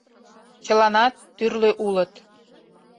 Чыланат тӱрлӧ улыт.